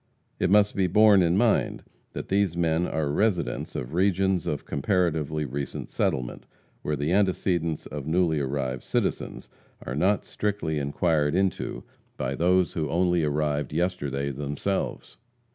It must be borne in mind that these men are residents of regions of comparatively recent settlement, where the antecedents of newly arrived citizens are not strictly inquired into by those who only arrived yesterday themselves.